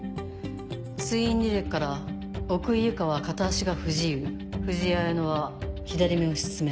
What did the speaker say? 通院履歴から奥井由香は片足が不自由藤井綾乃は左目を失明。